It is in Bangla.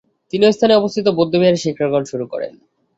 তিনি ঐ স্থানে অবস্থিত বৌদ্ধবিহারে শিক্ষাগ্রহণ শুরু করেন।